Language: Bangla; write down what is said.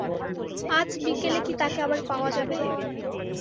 আজ বিকেলে কি তাকে আবার পাওয়া যাবে?